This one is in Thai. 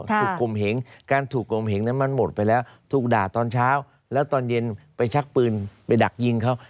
กลุ่มคมเหงการถูกกลมเหงนั้นมันหมดไปแล้วถูกด่าตอนเช้าแล้วตอนเย็นไปชักปืนไปดักยิงเขา